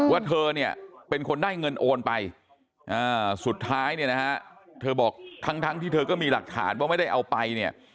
ว่าเธอเนี่ยเป็นคนได้เงินโอนไปสุดท้ายเนี่ยนะฮะเธอบอกทั้งที่เธอก็มีหลักฐานว่าไม่ได้เอาไปเนี่ย